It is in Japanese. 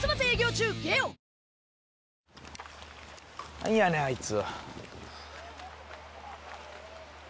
何やねんあいつ。